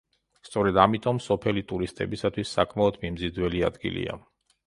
სწორედ ამიტომ სოფელი ტურისტებისათვის საკმაოდ მიმზიდველი ადგილია.